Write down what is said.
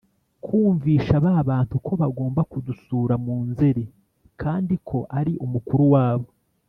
kumvisha ba bantu ko bagomba kudusura mu nzeri kandi ko ari umukuru wabo